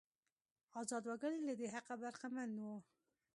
ازاد وګړي له دې حقه برخمن وو.